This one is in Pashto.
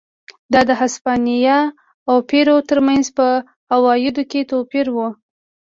دا د هسپانیا او پیرو ترمنځ په عوایدو کې توپیر و.